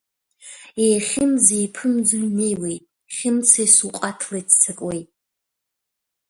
Еихьымӡа-еиԥымӡо инеиуеит, Хьымцеи Суҟаҭлеи ццакуеит.